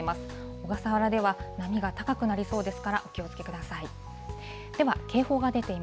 小笠原では、波が高くなりそうですから、お気をつけください。